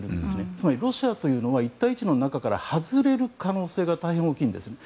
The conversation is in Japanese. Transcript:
つまりロシアというのは一帯一路の中から外れる可能性が大変大きいんですね。